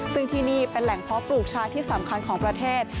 ซึ่งที่นี่เป็นแหล่งเพาะปลูกชาที่สำคัญของประเทศ